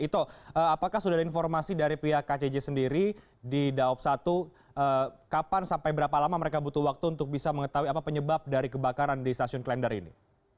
ito apakah sudah ada informasi dari pihak kcj sendiri di daob satu kapan sampai berapa lama mereka butuh waktu untuk bisa mengetahui apa penyebab dari kebakaran di stasiun klender ini